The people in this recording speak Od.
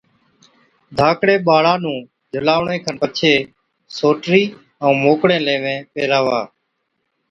ڌاڪڙي ٻاڙا نُون جھُلاوَڻي کن پڇي سوٽرِي ائُون موڪڙين ليوين پيهراوا۔